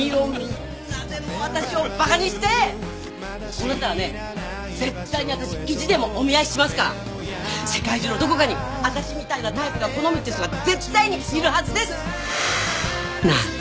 こうなったらね絶対に私意地でもお見合いしますから世界中のどこかに私みたいなタイプが好みって人が絶対にいるはずです！なんて